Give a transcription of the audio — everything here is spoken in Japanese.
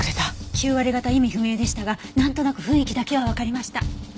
９割方意味不明でしたがなんとなく雰囲気だけはわかりました。